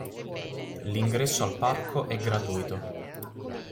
L'ingresso al Parco è gratuito.